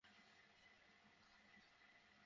আমাকে সাহায্য করুন!